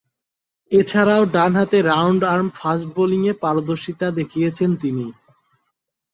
এছাড়াও, ডানহাতে round-arm fast বোলিংয়ে পারদর্শীতা দেখিয়েছেন তিনি।